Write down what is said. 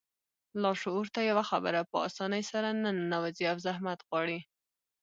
لاشعور ته يوه خبره په آسانۍ سره نه ننوځي او زحمت غواړي.